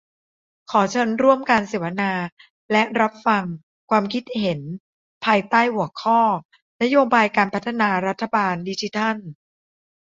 ขอเชิญร่วมการเสวนาและรับฟังความคิดเห็น ภายใต้หัวข้อ"นโยบายการพัฒนารัฐบาลดิจิทัล"